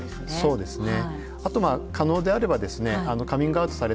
そうですね